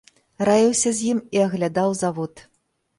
Раіўся з ім і аглядаў завод.